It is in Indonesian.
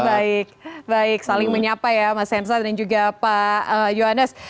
baik baik saling menyapa ya mas hensa dan juga pak yohanes